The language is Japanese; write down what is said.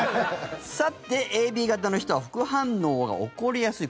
さて、ＡＢ型の人は副反応が起こりやすい。